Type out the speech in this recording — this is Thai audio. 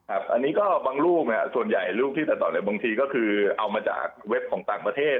อันนี้ก็บางลูกส่วนใหญ่ลูกที่ตัดต่อบางทีก็คือเอามาจากเว็บของต่างประเทศ